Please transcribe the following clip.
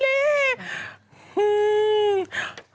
หืม